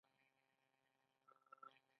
ایا دا ناروغي ماشومانو ته تیریږي؟